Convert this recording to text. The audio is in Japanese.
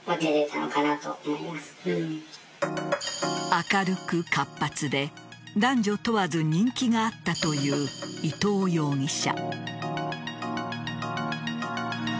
明るく活発で男女問わず人気があったという伊藤容疑者。